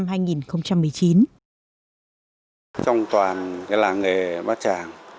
làng nghề bát tràng